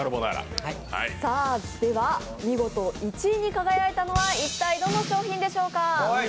では見事１位に輝いたのは一体どの商品でしょうか。